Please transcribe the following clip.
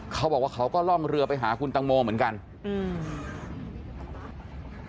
เขาบอกว่าเขาก็ล่องเรือไปหาคุณตังโมเหมือนกันอืม